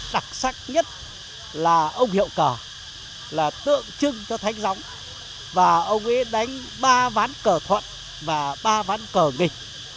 đặc sắc nhất là ông hiệu cờ là tượng trưng cho thánh gióng và ông ấy đánh ba ván cờ thuận và ba ván cờ nghịch